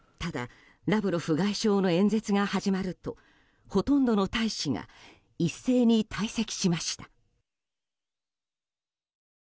ただ、ラブロフ外相の演説が始まるとほとんどの大使が一斉に退席しました。